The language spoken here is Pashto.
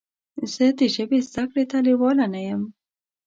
زه د ژبې زده کړې ته لیواله نه یم.